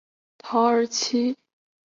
桃儿七属是小檗科下的一个属。